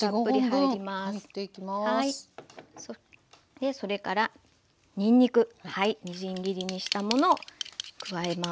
でそれからにんにくみじん切りにしたもの加えます。